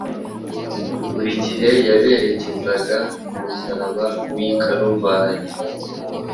Buri gihe yaberekezaga ku musaraba w’i Kaluvari.